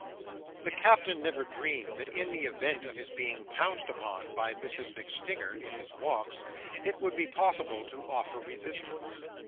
The Captain never dreamed that in the event of his being pounced upon by Mrs MacStinger, in his walks, it would be possible to offer resistance.